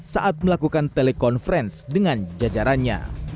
saat melakukan telekonferensi dengan jajarannya